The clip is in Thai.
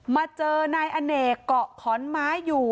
มาเจอนายอเนกเกาะขอนไม้อยู่